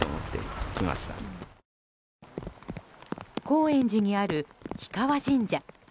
高円寺にある氷川神社。